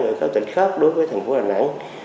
ở các tỉnh khác đối với thành phố đà nẵng